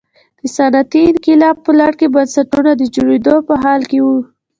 د صنعتي انقلاب په لړ کې بنسټونه د جوړېدو په حال کې وو.